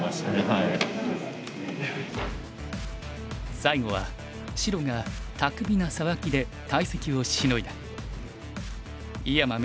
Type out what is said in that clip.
最後は白が巧みなサバキで大石をシノいだ。